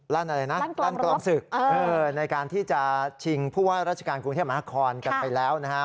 รั่นอะไรนะรั่นกรองศึกในการที่จะชิงพวกรัชกาลกรุงเทพมหาคอนกันไปแล้วนะฮะ